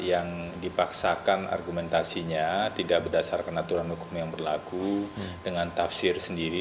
yang dipaksakan argumentasinya tidak berdasarkan aturan hukum yang berlaku dengan tafsir sendiri